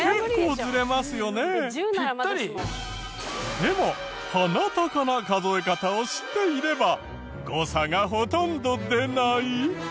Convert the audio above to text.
でもハナタカな数え方を知っていれば誤差がほとんど出ない！？